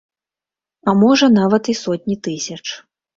А можа, нават і сотні тысяч.